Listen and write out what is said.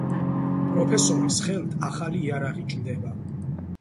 პროფესორის ხელთ ახალი იარაღი ჩნდება.